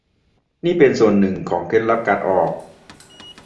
นี่เป็นส่วนหนึ่งของเคล็ดลับการออก